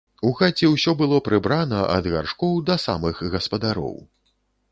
У хаце ўсё было прыбрана ад гаршкоў да самых гаспадароў.